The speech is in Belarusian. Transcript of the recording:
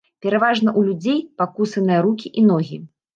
Пераважна ў людзей пакусаныя рукі і ногі.